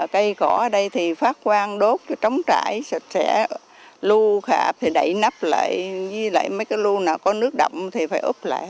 cây cỏ ở đây thì phát quang đốt trống trải sạch sẽ lưu hạp thì đẩy nắp lại với lại mấy cái lưu nào có nước đậm thì phải úp lại